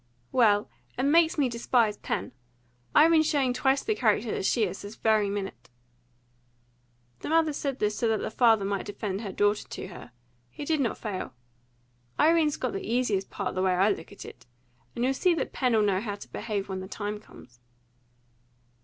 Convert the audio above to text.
"Well, it makes me despise Pen! Irene's showing twice the character that she is, this very minute." The mother said this so that the father might defend her daughter to her. He did not fail. "Irene's got the easiest part, the way I look at it. And you'll see that Pen'll know how to behave when the time comes."